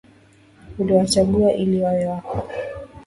Uliwachagua ili wawe wako